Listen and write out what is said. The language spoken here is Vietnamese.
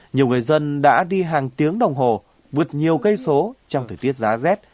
nhiều người dân đã đi hàng tiếng đồng hồ vượt nhiều cây số trong thời tiết giá rét